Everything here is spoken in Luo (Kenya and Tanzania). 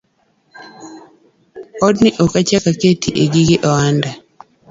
Odni ok achak akete gige ohanda